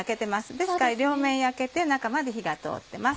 ですから両面焼けて中まで火が通ってます。